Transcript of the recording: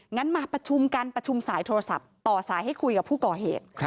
งั้นมาประชุมกันประชุมสายโทรศัพท์ต่อสายให้คุยกับผู้ก่อเหตุ